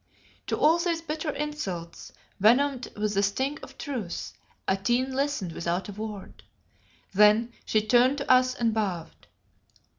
To all these bitter insults, venomed with the sting of truth, Atene listened without a word. Then, she turned to us and bowed.